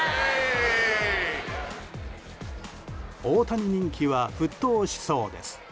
大谷人気は沸騰しそうです。